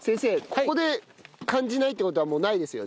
ここで感じないっていう事はもうないですよね？